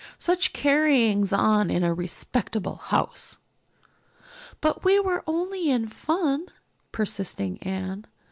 Such carryings on in a respectable house!" "But we were only in fun," persisted Anne.